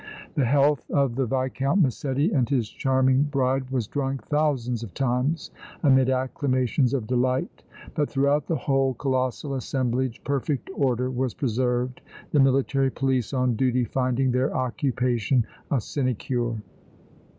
The health of the Viscount Massetti and his charming bride was drunk thousands of times amid acclamations of delight, but throughout the whole colossal assemblage perfect order was preserved, the military police on duty finding their occupation a sinecure.